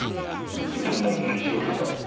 自分のものにしようとした。